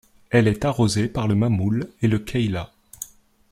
Elle est arrosée par le Mamoul et le Cayla.